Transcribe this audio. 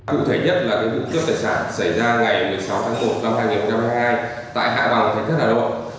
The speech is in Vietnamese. cụ thể nhất là vụ cướp tài sản xảy ra ngày một mươi sáu tháng một năm hai nghìn một mươi hai